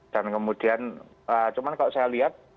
dan kemudian cuma kalau saya lihat